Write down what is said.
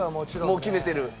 もう決めてる？